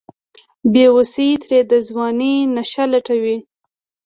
بیوسۍ ترې د ځوانۍ نشه لوټلې